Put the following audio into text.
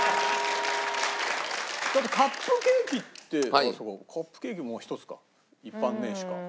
だってカップケーキってカップケーキも一つか一般名詞か。